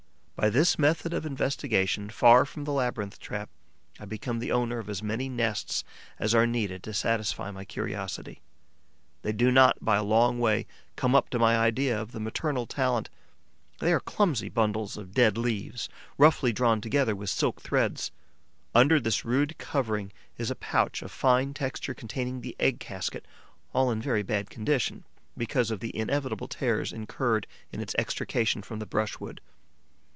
By this method of investigation, far from the labyrinth trap, I become the owner of as many nests as are needed to satisfy my curiosity. They do not by a long way come up to my idea of the maternal talent. They are clumsy bundles of dead leaves, roughly drawn together with silk threads. Under this rude covering is a pouch of fine texture containing the egg casket, all in very bad condition, because of the inevitable tears incurred in its extrication from the brushwood.